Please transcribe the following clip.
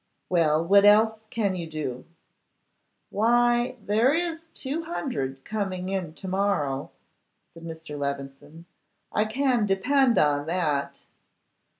'Well, what else can you do?' 'Why, there is two hundred coming in to morrow,' said Mr. Levison; 'I can depend on that.